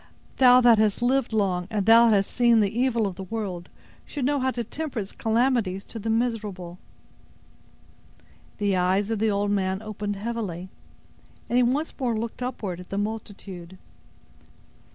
Thou that hast lived long, and that hast seen the evil of the world, should know how to temper its calamities to the miserable." The eyes of the old man opened heavily, and he once more looked upward at the multitude.